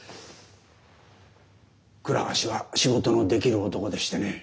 倉橋は仕事のできる男でしてね